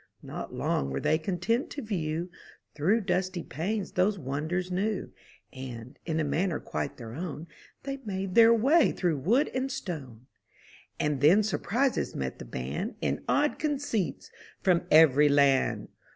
Not long were they content to view Through dusty panes those wonders new; And, in a manner quite their own. They made their way through wood and stone. And then surprises met the band. In odd conceits from every land.